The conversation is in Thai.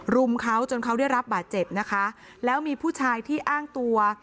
รุมเขาจนเขาได้รับบาดเจ็บนะคะแล้วมีผู้ชายที่อ้างตัว